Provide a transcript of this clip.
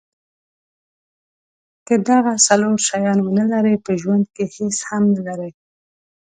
که دغه څلور شیان ونلرئ په ژوند کې هیڅ هم نلرئ.